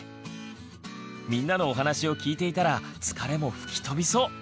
みんなのお話を聞いていたら疲れも吹き飛びそう！